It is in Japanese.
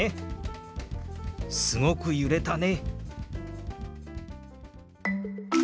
「すごく揺れたね」。